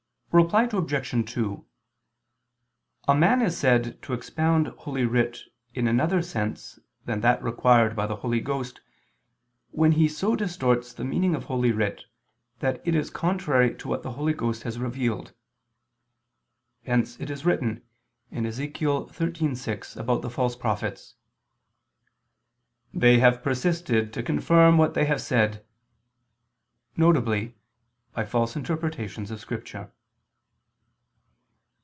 Reply Obj. 2: A man is said to expound Holy Writ in another sense than that required by the Holy Ghost, when he so distorts the meaning of Holy Writ, that it is contrary to what the Holy Ghost has revealed. Hence it is written (Ezech. 13:6) about the false prophets: "They have persisted to confirm what they have said," viz. by false interpretations of Scripture.